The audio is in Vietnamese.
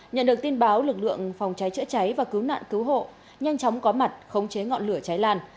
nhận được tin báo lực lượng phòng cháy chữa cháy và cứu nạn cứu hộ nhanh chóng có mặt khống chế ngọn lửa cháy lan